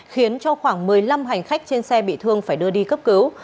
khiến cho khoảng một mươi năm hành khách trên xe bị thương phải đưa đi cấp cứu